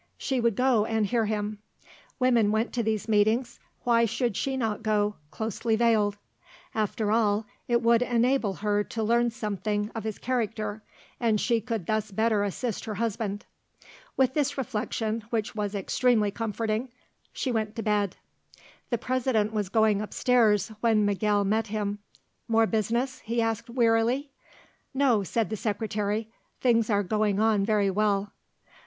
She would go and hear him; women went to these meetings; why should she not go, closely veiled? After all it would enable her to learn something of his character and she could thus better assist her husband. With this reflection, which was extremely comforting, she went to bed. The President was going up stairs, when Miguel met him. "More business?" he asked wearily. "No," said the Secretary; "things are going on very well."